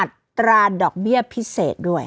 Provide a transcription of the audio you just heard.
อัตราดอกเบี้ยพิเศษด้วย